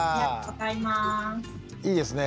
いいですね。